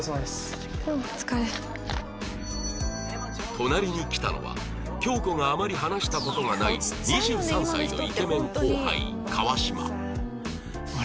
隣に来たのは恭子があまり話した事がない２３歳のイケメン後輩川島